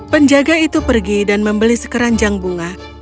penjaga itu pergi dan membeli sekeranjang bunga